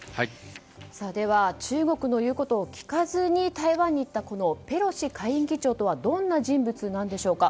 では、中国の言うことを聞かずに台湾に行ったペロシ下院議長というのはどんな人物なんでしょうか。